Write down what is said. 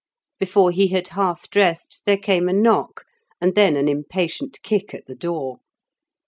Before he had half dressed there came a knock and then an impatient kick at the door.